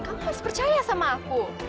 kamu harus percaya sama aku